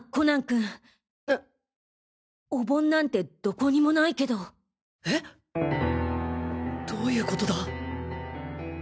んっ？お盆なんてどこにもないけど。えっ！？どういう事だ。